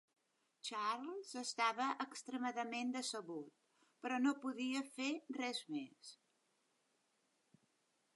Charles estava extremadament decebut, però no podia fer res més.